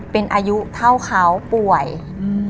เป็นอายุเท่าเขาป่วยอืม